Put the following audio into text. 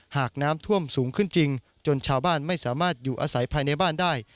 หากน้ำท่วมสูงขึ้นจริงจนชาวบ้านไม่สามารถอยู่อาศัยภายในบ้านได้